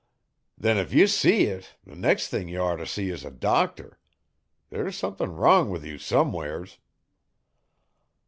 'Then if ye see it the nex' thing ye orter see 's a doctor. There's sumthin' wrong with you sumwheres.'